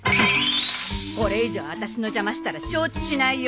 これ以上あたしの邪魔したら承知しないよ。